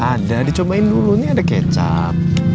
ada dicobain dulu ini ada kecap